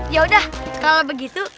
ya udah kalau begitu